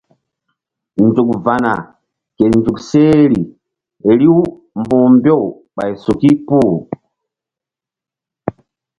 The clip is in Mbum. Nzuk va̧ na ke nzuk seh ri riw mbu̧h mbew ɓay suki puh.